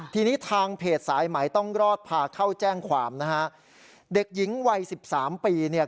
ทีนี้ทางเพจสายไหมต้องรอดพาเข้าแจ้งความนะฮะเด็กหญิงวัยสิบสามปีเนี่ย